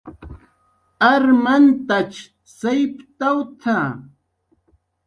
"Armantach sayptawt""a"